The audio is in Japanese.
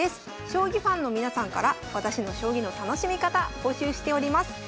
将棋ファンの皆さんから私の将棋の楽しみ方募集しております。